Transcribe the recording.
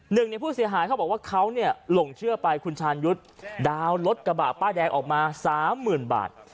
หนึ่งในผู้เสียหายเขาบอกว่าเขาเนี่ยหลงเชื่อไปคุณชาญยุทธ์ดาวน์รถกระบะป้ายแดงออกมาสามหมื่นบาท